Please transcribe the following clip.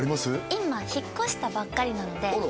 今引っ越したばっかりなのであら